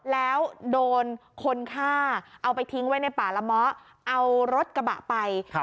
แล้วโดนคนฆ่าเอาไปทิ้งไว้ในป่าละเมาะเอารถกระบะไป